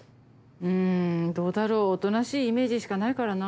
うんどうだろうおとなしいイメージしかないからな。